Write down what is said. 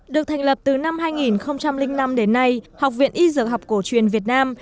được thành lập từ năm hai nghìn năm đến nay học viện y dược học cổ truyền việt nam